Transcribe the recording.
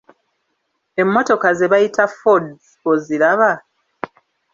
Emmotoka ze bayita Fords oziraba?